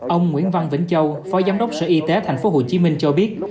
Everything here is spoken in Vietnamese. ông nguyễn văn vĩnh châu phó giám đốc sở y tế thành phố hồ chí minh cho biết